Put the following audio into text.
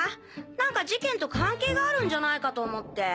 何か事件と関係があるんじゃないかと思って。